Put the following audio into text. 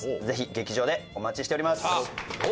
ぜひ劇場でお待ちしております。